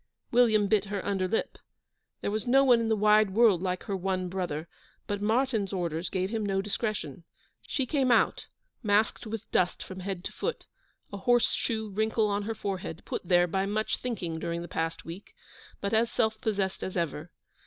William bit her under lip. There was no one in the wide world like her one brother, but Martyn's orders gave him no discretion. She came out, masked with dust from head to foot, a horse shoe wrinkle on her forehead, put here by much thinking during the past week, but as self possessed as ever.